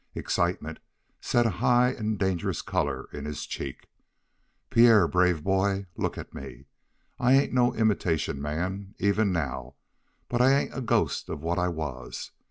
Excitement set a high and dangerous color in his cheek. "Pierre brave boy! Look at me. I ain't no imitation man, even now, but I ain't a ghost of what I was.